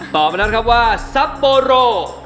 ต่อไปทำกับว่าซัปโปโล